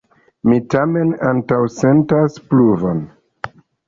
Mi tamen antaŭsentas pluvon.